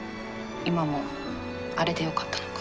今もあれでよかったのか。